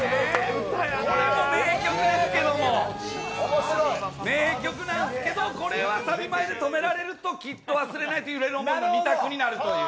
これはね、名曲なんですけど、これはサビ前で止められると「きっと忘れない」と「揺れる想い」の２択になるという。